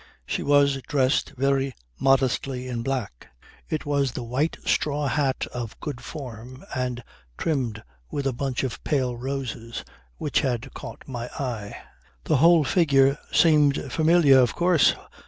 She was dressed very modestly in black. It was the white straw hat of a good form and trimmed with a bunch of pale roses which had caught my eye. The whole figure seemed familiar. Of course!